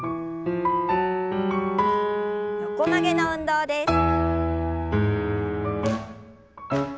横曲げの運動です。